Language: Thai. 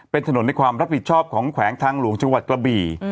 เป็นถนนในความรับผิดชอบของแขวงทางหลวงจังหวัดกระบี่